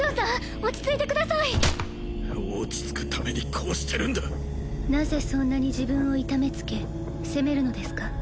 落ち着いてください落ち着くためにこうしてるんだなぜそんなに自分を痛めつけ責めるのですか？